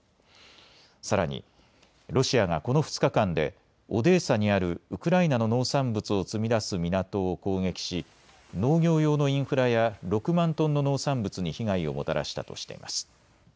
さらにロシアがこの２日間でオデーサにあるウクライナの農産物を積み出す港を攻撃し農業用のインフラや６万トンの農産物に被害をもたらしたとしています。